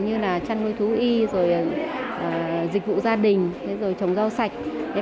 như là chăn nuôi thú y dịch vụ gia đình trồng rau sạch